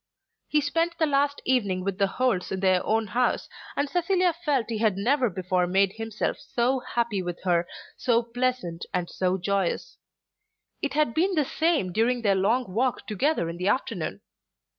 He spent the last evening with the Holts in their own house, and Cecilia felt that he had never before made himself so happy with her, so pleasant, and so joyous. It had been the same during their long walk together in the afternoon.